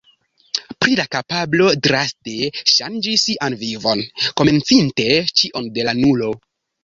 Pri la kapablo draste ŝanĝi sian vivon, komencinte ĉion de la nulo.